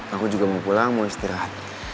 aku juga mau pulang mau istirahat